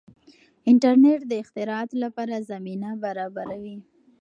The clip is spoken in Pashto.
انټرنیټ د اختراعاتو لپاره زمینه برابروي.